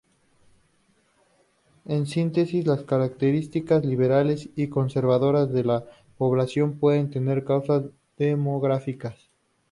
En síntesis, las características liberales y conservadoras de la población pueden tener causas demográficas.